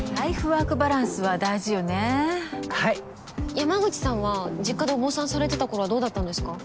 山口さんは実家でお坊さんされてた頃はどうだったんですか？